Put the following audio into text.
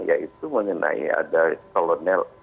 yaitu mengenai ada kolonel